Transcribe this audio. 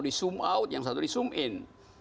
di zoom out yang satu di zoom in